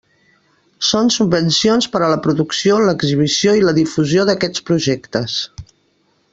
Són subvencions per a la producció, l'exhibició i la difusió d'aquests projectes.